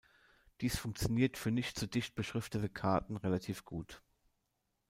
Dies funktioniert für nicht zu dicht beschriftete Karten relativ gut.